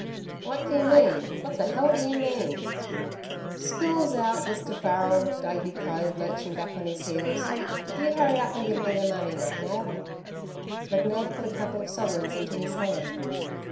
"What do you mean? What the hell do you mean?" "School's out, Mr. Farrel," Davey crowed, lurching back on his heels. "You hurry up and give me the money, McNab." McNab put a couple of sovereigns into his hand.